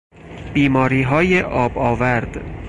بیماریهای آب آورد